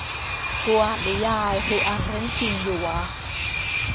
กูอ่านนิยายหรืออ่านเรื่องจริงอยู่วะ